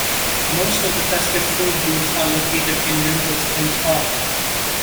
Most of the Festive Food booths are located in Mineral Springs Park.